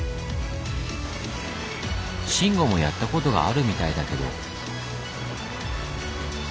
慎吾もやったことがあるみたいだけど。